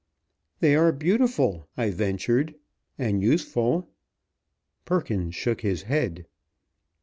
"They are beautiful," I ventured, "and useful." Perkins shook his head.